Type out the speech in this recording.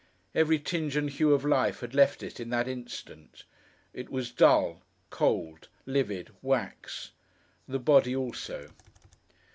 Every tinge and hue of life had left it in that instant. It was dull, cold, livid, wax. The body also.